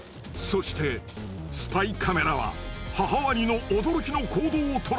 そしてスパイカメラは母ワニの驚きの行動を捉えた！